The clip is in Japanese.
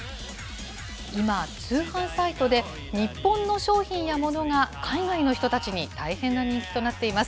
今、通販サイトで、日本の商品やものが、海外の人たちに大変な人気となっています。